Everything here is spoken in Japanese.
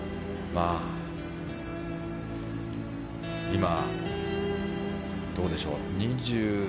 今、どうでしょう。